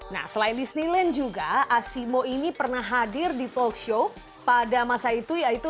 nah selain disneyland juga asimo ini pernah hadir di talk show pada masa itu yaitu